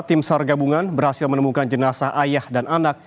tim sar gabungan berhasil menemukan jenazah ayah dan anak